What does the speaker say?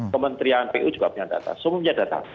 kementerian pu juga punya data semua punya data